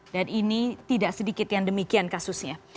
dan ini tidak sedikit yang demikian kasusnya